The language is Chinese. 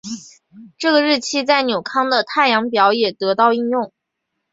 这个日期在纽康的太阳表也得到应用。